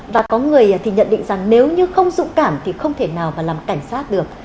và có người thì nhận định rằng nếu như không dũng cảm thì không thể nào và làm cảnh sát được